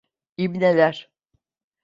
İbneler!